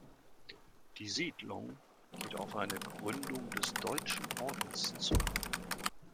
Die Siedlung geht auf eine Gründung des Deutschen Ordens zurück.